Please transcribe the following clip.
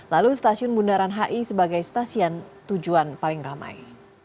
lalu stasiun bundaran hi sebagai stasiun tujuan paling ramai